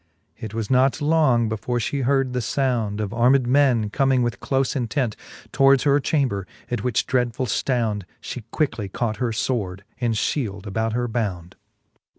It was not long before fhe heard the found Of armed men, comming with clofe intent Towards her chamber ; at which dreadfull ftound She cjuickly caught her fword, and /hield about her bound.